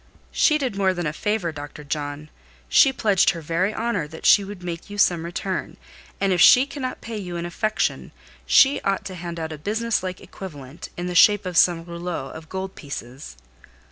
"She did more than a favour, Dr. John: she pledged her very honour that she would make you some return; and if she cannot pay you in affection, she ought to hand out a business like equivalent, in the shape of some rouleaux of gold pieces."